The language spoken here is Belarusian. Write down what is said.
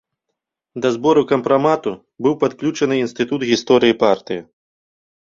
Да збору кампрамату быў падключаны інстытут гісторыі партыі.